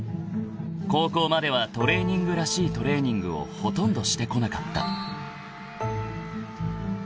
［高校まではトレーニングらしいトレーニングをほとんどしてこなかった］